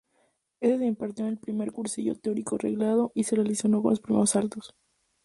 Ese se impartió el primer cursillo teórico reglado y se realizaron los primeros saltos.